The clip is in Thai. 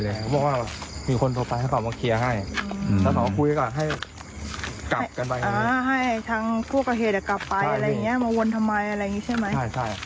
แต่อันนั้นก็กลับปืนยิงเลยใช่ครับ